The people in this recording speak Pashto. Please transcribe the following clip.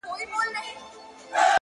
• او په ژمي اورېدلې سختي واوري ,